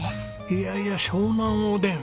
いやいや湘南おでん！